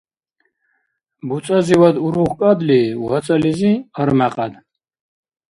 БуцӀазивад урухкӀадли, вацӀализи армякьяд.